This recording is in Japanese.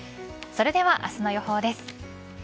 それでは明日の予報です。